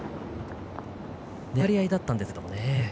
粘り合いだったんですがね。